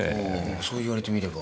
そう言われてみれば。